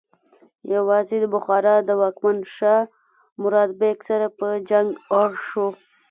یوازې د بخارا د واکمن شاه مراد بیک سره په جنګ اړ شو.